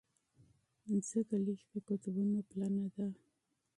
ځمکه لږه په قطبونو پلنه ده.